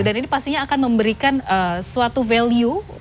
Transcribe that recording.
dan ini pastinya akan memberikan suatu value